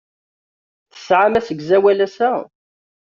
Tesɛam asegzawal ass-a?